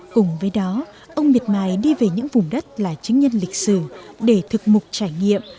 cùng với đó ông miệt mài đi về những vùng đất là chứng nhân lịch sử để thực mục trải nghiệm